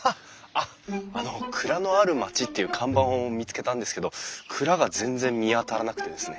あっあの「蔵のある町」っていう看板を見つけたんですけど蔵が全然見当たらなくてですね。